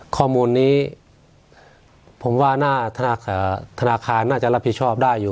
ข้อมูลนี้ผมว่าหน้าธนาคารน่าจะรับผิดชอบได้อยู่